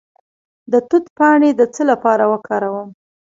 د توت پاڼې د څه لپاره وکاروم؟